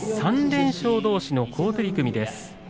３連勝どうしの好取組です。